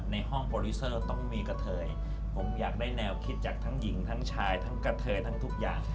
ในห้องโปรดิวเซอร์ต้องมีกระเทยผมอยากได้แนวคิดจากทั้งหญิงทั้งชายทั้งกระเทยทั้งทุกอย่าง